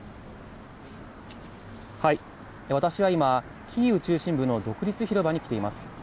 私は今、キーウ中心部の独立広場に来ています。